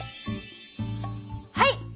はい！